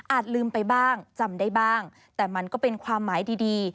ลืมไปบ้างจำได้บ้างแต่มันก็เป็นความหมายดี